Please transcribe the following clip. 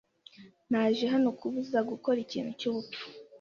Naje hano kubuza gukora ikintu cyubupfu.